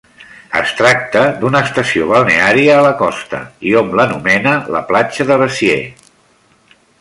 Es tracta d'una estació balneària a la costa i hom l'anomena la platja de Besiers.